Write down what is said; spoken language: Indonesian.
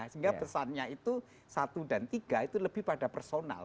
sehingga pesannya itu satu dan tiga itu lebih pada personal